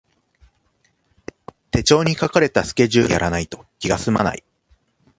手帳に書かれたスケジュール通りにやらないと気がすまない